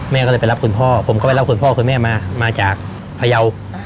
แม่ก็เลยไปรับคุณพ่อผมก็ไปรับคุณพ่อคุณแม่มามาจากพยาว